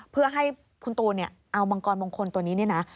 เพื่อให้คุณตูนเอามังกรมงคลตัวนี้เนี่ยนะ